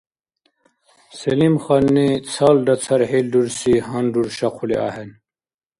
Селимханни цалра цархӀил рурси гьанруршахъули ахӀен.